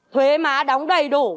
thuế má đóng đầy đủ